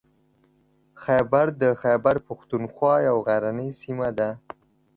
خیبر د خیبر پښتونخوا یوه غرنۍ سیمه ده.